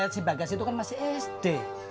si bagas itu kan masih sd